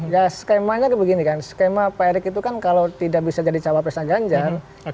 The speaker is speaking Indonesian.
ya skemanya begini kan skema pak erik itu kan kalau tidak bisa jadi capres capresnya ganjang